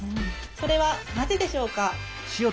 それはなぜでしょうか？